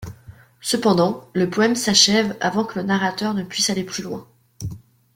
Cependant, le poème s'achève avant que le narrateur ne puisse aller plus loin.